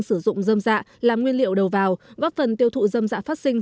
sử dụng rơm dạ làm nguyên liệu đầu vào góp phần tiêu thụ rơm dạ phát sinh